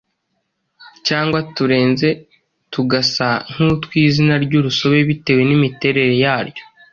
cyangwa turenze tugasa nk’utw’izina ry’urusobe bitewe n’imiterere yaryo.